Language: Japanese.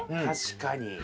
確かに。